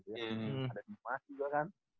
ada timmas juga kan